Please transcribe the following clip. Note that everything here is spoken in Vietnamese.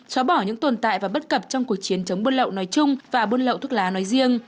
xóa bỏ những tồn tại và bất cập trong cuộc chiến chống buôn lậu nói chung và buôn lậu thuốc lá nói riêng